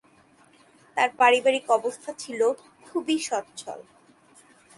তার পারিবারিক অবস্থা ছিল খুবই সচ্ছল।